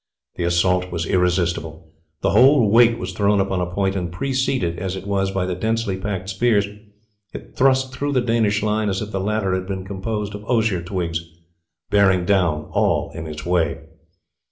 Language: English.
The assault was irresistible. The whole weight was thrown upon a point, and preceded, as it was, by the densely packed spears, it burst through the Danish line as if the latter had been composed of osier twigs, bearing down all in its way.